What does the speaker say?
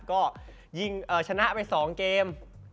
ก็ชนะไป๒เกม